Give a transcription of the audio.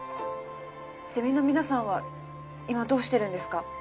ゼミの皆さんは今どうしてるんですか？